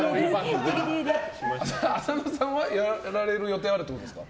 浅野さんは、やられる予定があるってことですか？